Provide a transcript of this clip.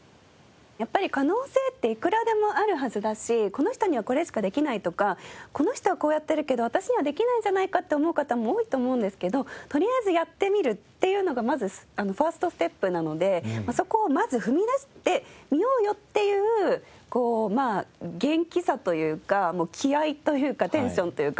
やっぱり可能性っていくらでもあるはずだしこの人にはこれしかできないとかこの人はこうやってるけど私にはできないんじゃないかって思う方も多いと思うんですけどとりあえずやってみるっていうのがまずファーストステップなのでそこをまず踏み出してみようよっていう元気さというか気合というかテンションというか